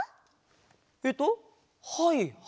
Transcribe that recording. えっとはいはい。